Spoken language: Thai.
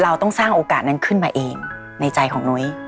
เราต้องสร้างโอกาสนั้นขึ้นมาเองในใจของนุ้ย